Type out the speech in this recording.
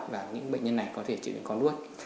và những bệnh nhân này có thể chịu đến con đuốt